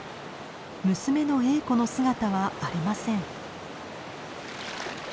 娘のエーコの姿はありません。